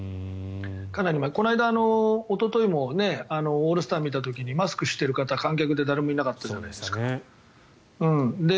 この間、おとといもオールスターを見た時マスクをしている方観客で誰もいなかったじゃないですか。